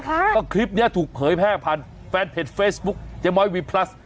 เพราะคลิปนี้ถูกเผยแพร่ผ่านแฟนเพจเฟซบุ๊คเจ๊ม้อยวีพลัส